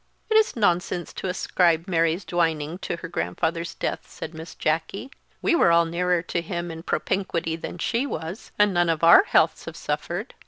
"It is nonsense to ascribe Mary's dwining to her grandfather's death," said Miss Jacky. "We were all nearer to him in propinquity than she was, and none of our healths have suffered."